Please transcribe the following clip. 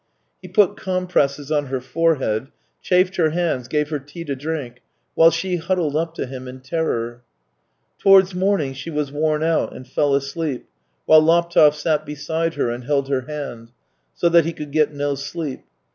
He put compresses on her forehead, chafed her hands, gave her tea to drink, while she huddled up to him in terror. ... Towards morning she was worn out and fell THREE YEARS 299 asleep, while Laptev sat beside her and held her hand. So that he could get no sleep.